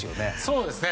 そうですね。